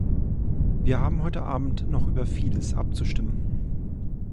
Wir haben heute abend noch über vieles abzustimmen.